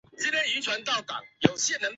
另有说法他是景文王庶子。